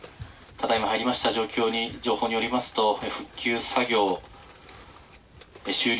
ただいま入りました情報によりますと、復旧作業終了